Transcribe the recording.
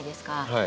はい。